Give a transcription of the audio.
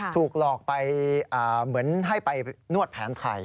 ถูกหลอกไปเหมือนให้ไปนวดแผนไทย